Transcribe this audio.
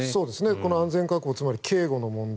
この安全確保警護の問題